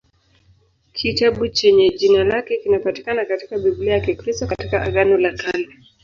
Kitabu chenye jina lake kinapatikana katika Biblia ya Kikristo katika Agano la Kale.